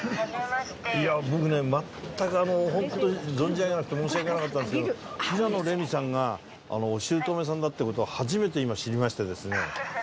いや僕ね全くホントに存じ上げなくて申し訳なかったんですけど平野レミさんがお姑さんだって事を初めて今知りましてですね。